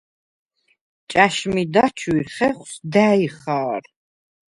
ჭა̈შმი დაჩუ̂ირ ხეხუ̂ს და̈ჲ ხა̄რ.